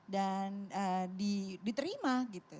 dan diterima gitu